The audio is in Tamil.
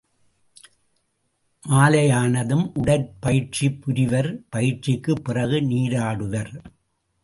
மாலையானதும் உடற்பயிற்சி புரிவர் பயிற்சிக்குப் பிறகு நீராடுவர்.